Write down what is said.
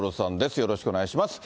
よろしくお願いします。